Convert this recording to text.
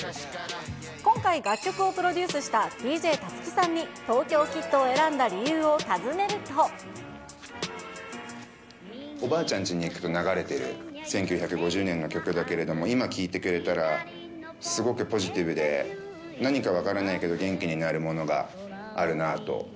今回、楽曲をプロデュースしたＤＪタツキさんに、東京キッドを選んだ理おばあちゃんちに行くと流れてる、１９５０年の曲だけれども、今、聴いてくれたら、すごくポジティブで、何か分からないけど、元気になるものがあるなあと。